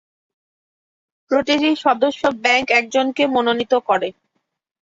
প্রতিটি সদস্য ব্যাংক একজনকে মনোনীত করে।